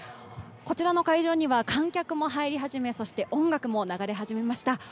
こちらの会場には観客も入り始め、音楽も流れ始めました。